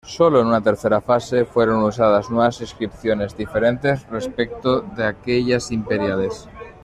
Sólo en una tercera fase fueron usadas nuevas inscripciones, diferentes respecto de aquellas imperiales.